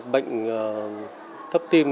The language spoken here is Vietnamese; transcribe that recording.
bệnh thấp tim